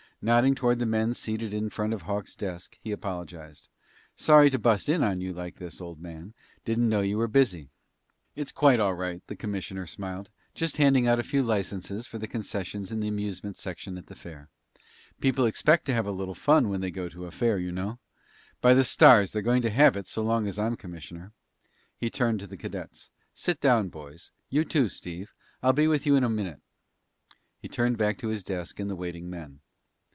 Nodding toward the men seated in front of Hawks' desk, he apologized, "Sorry to bust in on you like this, old man. Didn't know you were busy." "It's quite all right." The commissioner smiled. "Just handing out a few licenses for the concessions in the amusement section at the fair. People expect to have a little fun when they go to a fair, you know. By the stars, they're going to have it so long as I'm commissioner." He turned to the cadets. "Sit down, boys. You too, Steve. I'll be with you in a minute." He turned back to his desk and the waiting men.